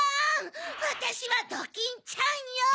わたしは「ドキンちゃん」よ！